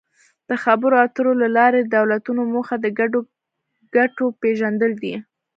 د خبرو اترو له لارې د دولتونو موخه د ګډو ګټو پېژندل دي